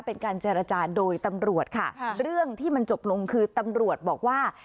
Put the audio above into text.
เป็นการเจรจาโดยตำรวจค่ะเรื่องที่มันจบลงคือตำรวจบอกว่า